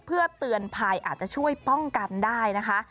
เพื่อเตือนภัยอาจจะช่วยป้องกันได้นะคะ